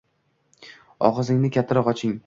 Og'zingizni kattaroq oching.